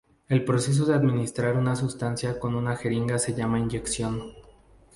El proceso de administrar una sustancia con una jeringa se llama inyección.